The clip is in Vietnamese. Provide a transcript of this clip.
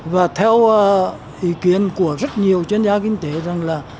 và theo ý kiến của rất nhiều chuyên gia kinh tế rằng là